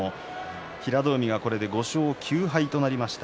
平戸海はこれで５勝９敗となりました。